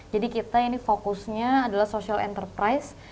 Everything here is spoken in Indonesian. jadi kita fokusnya adalah social enterprise